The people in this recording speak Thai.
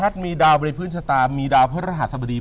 พัดมีดาวบริพื้นชะตามีดาวพฤษภาษาบรี